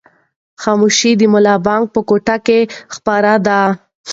خاموشي د ملا بانګ په کوټه کې خپره ده.